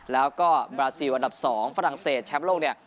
แล้วก็บราซิลอันดับ๒ฝรั่งเศสแชมป์โลกเนี่ย